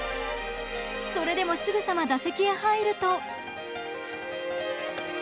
それでもすぐさま打席へ入ると。